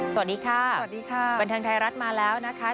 สวัสดีค่ะสวัสดีค่ะบันเทิงไทยรัฐมาแล้วนะคะ